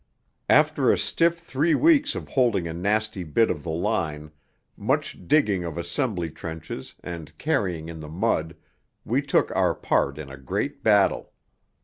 After a stiff three weeks of holding a nasty bit of the line, much digging of assembly trenches, and carrying in the mud, we took our part in a great battle.